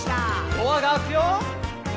「ドアが開くよ」